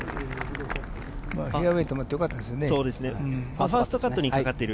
フェアウエーに止まってよかったですね。